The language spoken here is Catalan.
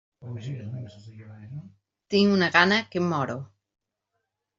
Tinc una gana que em moro.